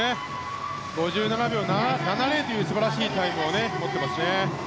５７秒７０という素晴らしいタイムを持ってます。